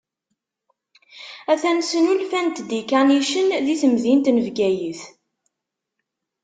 Atan snulfant-d ikanicen di temdint n Bgayet.